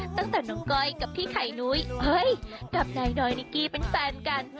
ตั้งแต่น้องก้อยกับพี่ไข่นุ้ยเฮ้ยกับนายดอยนิกกี้เป็นแฟนกัน